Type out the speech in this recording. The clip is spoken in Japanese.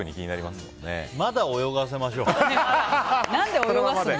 まだ泳がせましょう。